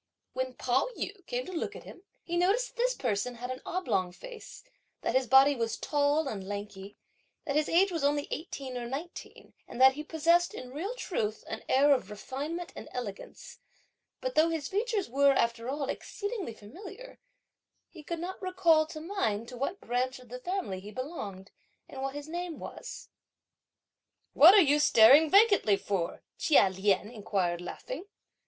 When Pao yü came to look at him, he noticed that this person had an oblong face, that his body was tall and lanky, that his age was only eighteen or nineteen, and that he possessed, in real truth, an air of refinement and elegance; but though his features were, after all, exceedingly familiar, he could not recall to mind to what branch of the family he belonged, and what his name was. "What are you staring vacantly for?" Chia Lien inquired laughing.